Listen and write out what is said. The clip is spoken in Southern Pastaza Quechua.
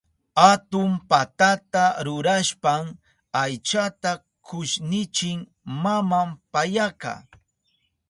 Atun patata rurashpan aychata kushnichin maman payaka.